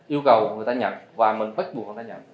yêu cầu người ta nhận và mình bắt buộc người ta nhận